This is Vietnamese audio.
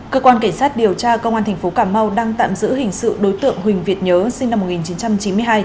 cơ quan cảnh sát điều tra công an tp cà mau đang tạm giữ hình sự đối tượng huỳnh việt nhớ sinh năm một nghìn chín trăm chín mươi hai